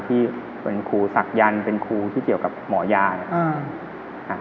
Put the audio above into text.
ที่เป็นครูศักยันต์เป็นครูที่เกี่ยวกับหมอยานะครับ